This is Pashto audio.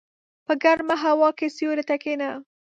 په ګرمه هوا کې سیوري ته کېنه.